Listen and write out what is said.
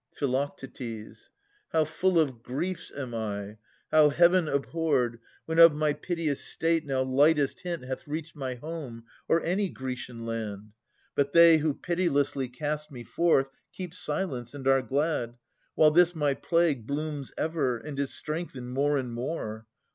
Phi. How full of griefs am I, how Heaven abhorred, When of my piteous state no lightest hint Hath reached my home, or any Grecian land ! But they, who pitilessly cast me forth. Keep silence and are glad, while this my plague Blooms ever, and is strengthened more and more.